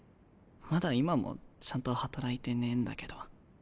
まだ今もちゃんと働いてねえんだけど。